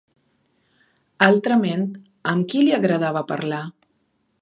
Altrament, amb qui li agradava parlar?